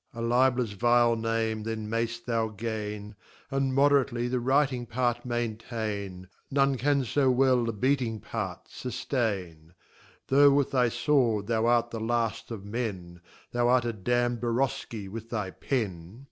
A Libellers vile name then may 'ft thou gain, And moderately the Writing part maintain, None canfo well the beating pdrtfufiaitt. Though with thy Sword, thou art the laftof Men, Thou art a damn'd Boroshi with thy Pen.